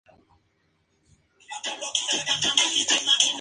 Kearney y "Business Week".